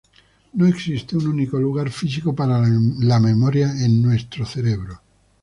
No existe un único lugar físico para la memoria en nuestro cerebro.